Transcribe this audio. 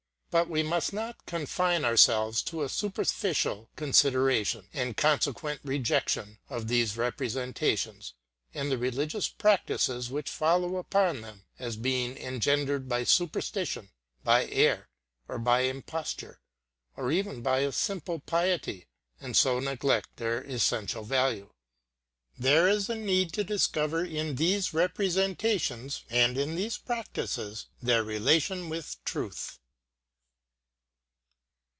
But we must not confine ourselves to a superficial consideration and consequent rejection of these representations and the religious practices which follow upon them as being engendered by superstition, by error, or by imposture, or even by a simple piety, and so neglect their essential value. There is need to discover in these representations and in these practices their relation with truth.